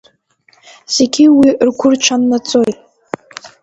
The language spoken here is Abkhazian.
Зегьы уи ргәырҽаннаҵоит.